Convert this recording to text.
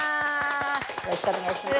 よろしくお願いします。